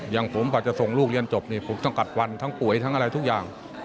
อย่างผมว่าจะส่งลูกเรียนจบเราต้องกัดวันทั้งป่วยทุกอย่าง